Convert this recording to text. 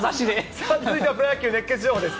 さあ、続いてはプロ野球熱ケツ情報です。